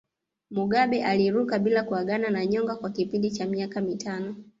Mugabe aliruka bila kuagana na nyonga kwa kipindi cha miaka mitano